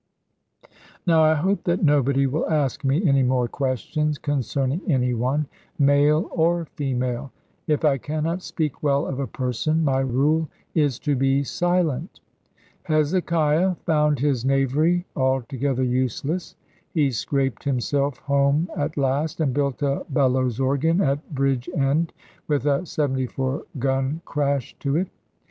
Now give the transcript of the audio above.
Now I hope that nobody will ask me any more questions concerning any one, male or female. If I cannot speak well of a person my rule is to be silent. Hezekiah found his knavery altogether useless. He scraped himself home at last; and built a bellows organ at Bridgend, with a 74 gun crash to it.